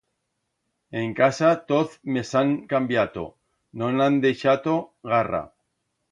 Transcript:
En casa toz me s'han cambiato, no'n han deixato garra.